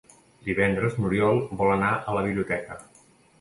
Divendres n'Oriol vol anar a la biblioteca.